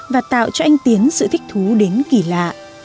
và tạo cho anh tiến sự thích thú đến kỳ lạ